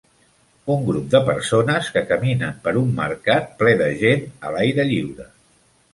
Un grup de persones que caminen per un mercat ple de gent a l'aire lliure.